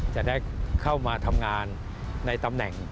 จะได้เข้ามาทำงานในตำแหน่ง